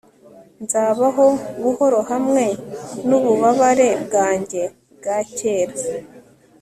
Nzabaho buhoro hamwe nububabare bwanjye bwa kera